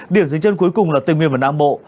điểm dưới chân cuối cùng là tây nguyên và nam bộ